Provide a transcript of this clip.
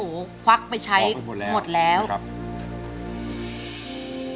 ร้องไปหมดแล้ว